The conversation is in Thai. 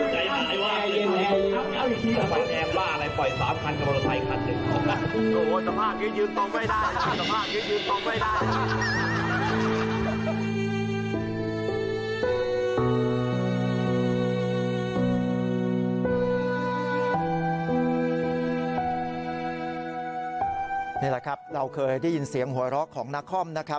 นี่แหละครับเราเคยได้ยินเสียงหัวเราะของนครนะครับ